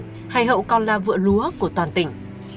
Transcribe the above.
huyện hải hậu còn là vựa lúa của toàn tỉnh